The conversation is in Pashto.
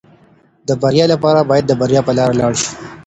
د بریا لپاره باید د بریا په لاره ولاړ شو.